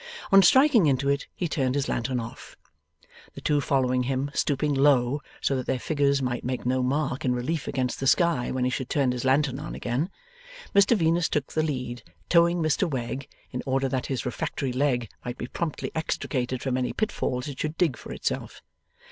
On striking into it he turned his lantern off. The two followed him, stooping low, so that their figures might make no mark in relief against the sky when he should turn his lantern on again. Mr Venus took the lead, towing Mr Wegg, in order that his refractory leg might be promptly extricated from any pitfalls it should dig for itself.